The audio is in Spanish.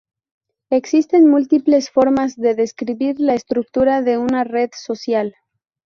Existen múltiples formas de describir la estructura de una red social.